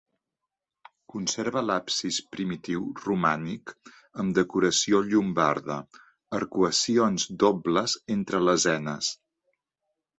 Conserva l'absis primitiu romànic, amb decoració llombarda: arcuacions dobles entre lesenes.